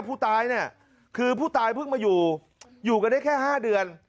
ผู้ตายเนี่ยคือผู้ตายเพิ่งมาอยู่อยู่กันได้แค่๕เดือน